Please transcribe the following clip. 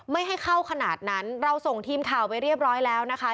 ไม่ให้เข้าขนาดนั้นเราส่งทีมข่าวไปเรียบร้อยแล้วนะคะ